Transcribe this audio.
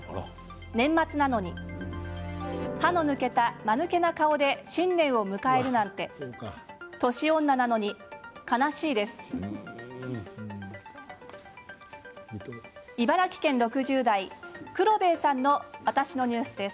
年末なのに歯の抜けたまぬけな顔で新年を迎えるなんて年女なのに悲しいです。